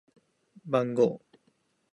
番号